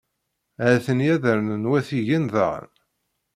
Ha-ten-i ad rnun watigen daɣen.